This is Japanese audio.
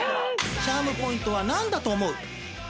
チャームポイントは何だと思う？